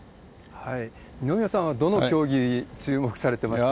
二宮さんはどの競技、注目されてますか？